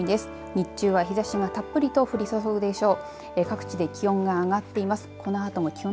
日中は日ざしがたっぷりと降り注ぐでしょう。